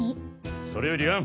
それより蘭